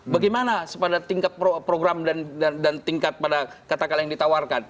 bagaimana pada tingkat program dan tingkat pada katakanlah yang ditawarkan